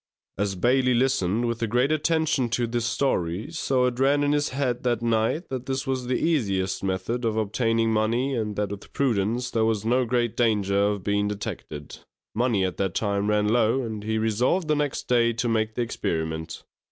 As Bailey listened with great attention to this story, so it ran in his head that night that this was the easiest method of obtaining money, and that with prudence there was no great danger of being detected. Money at that time ran low, and he resolved the next day to make the experiment.